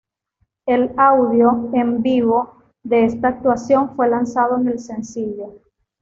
El audio en vivo de esta actuación fue lanzado en el sencillo.